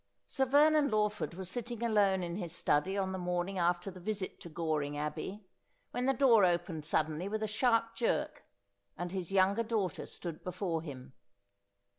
Sir Vernon Lawford was sitting alone in his study on the morning after the visit to G oring Abbey, when the door opened suddenly with a sharp jerk, and his younger daughter stood before him.